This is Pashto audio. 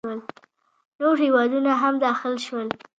نور هیوادونه هم داخل شول.